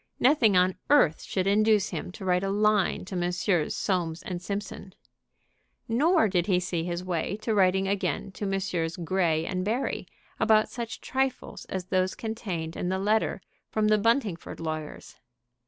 Nothing on earth should induce him to write a line to Messrs. Soames & Simpson. Nor did he see his way to writing again to Messrs. Grey & Barry about such trifles as those contained in the letter from the Buntingford lawyers.